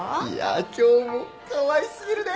今日もかわい過ぎるね！